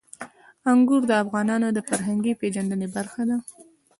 انګور د افغانانو د فرهنګي پیژندنې برخه ده.